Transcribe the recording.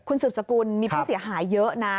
คุณสืบสกุลมีผู้เสียหายเยอะนะ